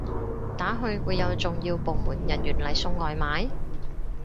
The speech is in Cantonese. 打去會有重要部門人員嚟送外賣？